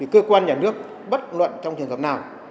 cơ quan nhà nước bất luận trong trường hợp nào